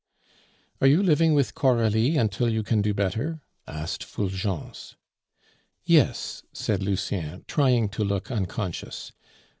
"Are you living with Coralie until you can do better?" asked Fulgence. "Yes," said Lucien, trying to look unconscious.